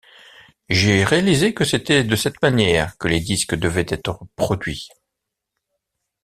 J'ai réalisé que c'était de cette manière que les disques devaient être produits.